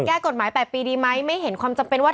แก้กฎหมาย๘ปีดีไหมไม่เห็นความจำเป็นว่า